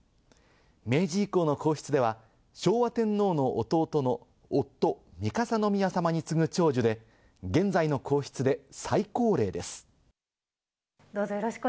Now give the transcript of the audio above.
明治以降の皇室では、昭和天皇の弟の夫・三笠宮さまに次ぐ長寿で、現在の皇室で最高齢です。